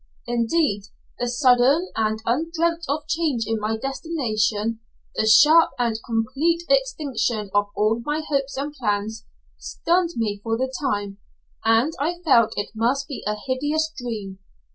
Indeed, the sudden and undreamt of change in my destination, the sharp and complete extinction of all my hopes and plans, stunned me for the time, and I felt it must be a hideous dream.